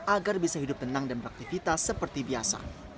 agar bisa hidup tenang dan beraktivitas seperti biasa